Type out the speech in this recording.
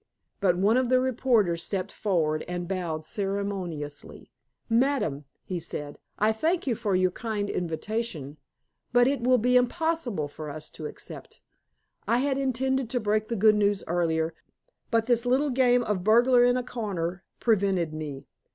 But one of the reporters stepped forward and bowed ceremoniously. "Madam," he said, "I thank you for your kind invitation, but it will be impossible for us to accept. I had intended to break the good news earlier, but this little game of burglar in a corner prevented me.